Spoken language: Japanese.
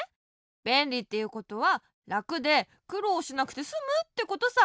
べんりっていうことはらくでくろうしなくてすむってことさ。